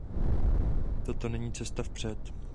Toto není cesta vpřed.